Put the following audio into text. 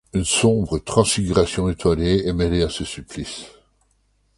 Une sombre transfiguration étoilée est mêlée à ce supplice.